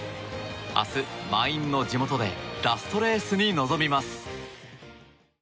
明日、満員の地元でラストレースに臨みます。